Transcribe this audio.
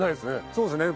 そうですね。